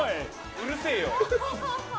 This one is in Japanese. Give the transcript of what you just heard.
うるせえよ。